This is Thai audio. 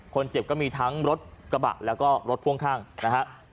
ก็มีทั้งรถกระบะแล้วก็รถพ่วงข้างนะฮะ